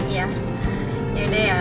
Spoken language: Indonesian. iya yaudah ya